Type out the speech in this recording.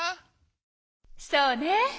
そうね！